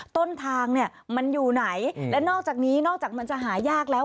ต้นทางเนี่ยมันอยู่ไหนและนอกจากนี้นอกจากมันจะหายากแล้ว